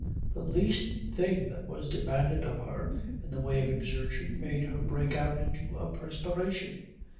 The least thing that was demanded of her in the way of exertion made her break out into a perspiration.